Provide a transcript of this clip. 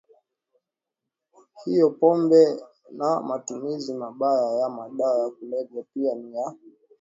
hiyoPombe na matumizi mabaya ya madawa ya kulevya pia ni ya